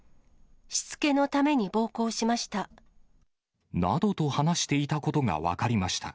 しつけのために暴行しました。